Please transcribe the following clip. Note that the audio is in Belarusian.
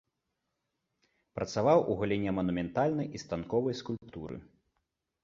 Працаваў у галіне манументальнай і станковай скульптуры.